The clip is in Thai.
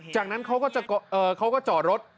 จากนั้นเขาก็จอดรถ